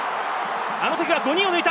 あのときは５人を抜いた！